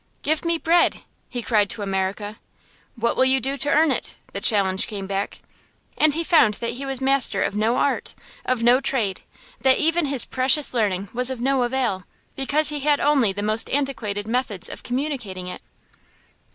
"Give me bread!" he cried to America. "What will you do to earn it?" the challenge came back. And he found that he was master of no art, of no trade; that even his precious learning was of no avail, because he had only the most antiquated methods of communicating it.